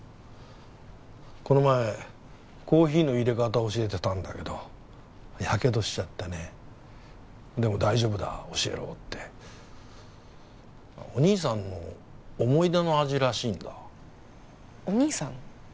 この前コーヒーの入れ方教えてたんだけどヤケドしちゃってねでも大丈夫だ教えろってお兄さんの思い出の味らしいんだお兄さん？